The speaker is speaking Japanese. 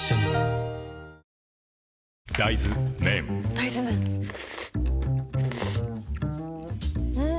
大豆麺ん？